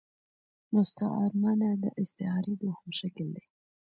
مستعارمنه د ا ستعارې دوهم شکل دﺉ.